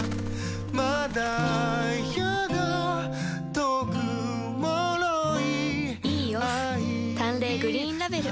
まだやだ遠く脆いいいオフ「淡麗グリーンラベル」